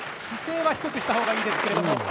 姿勢は低くしたほうがいいですけども。